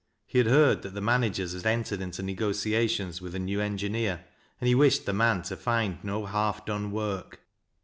He had heard that the managers had entered into negotiations with a new engineer, and he wished the man to find no half done work.